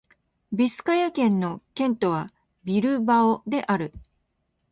ビスカヤ県の県都はビルバオである